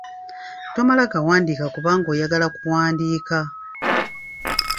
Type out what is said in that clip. Tomala gawandiika kubanga oyagala kuwandiika.